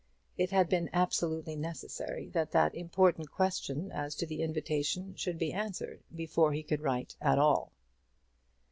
It had been absolutely necessary that that important question as to the invitation should be answered before he could write at all.